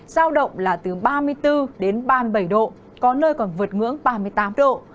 giao động là từ ba mươi bốn đến ba mươi bảy độ có nơi còn vượt ngưỡng ba mươi tám độ